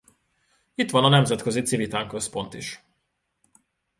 Itt van a nemzetközi Civitan központ is.